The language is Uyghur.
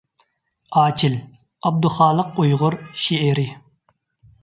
«ئاچىل» — ئابدۇخالىق ئۇيغۇر شېئىرى.